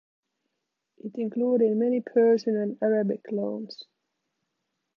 It included many Persian and Arabic loans.